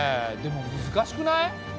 でも難しくない？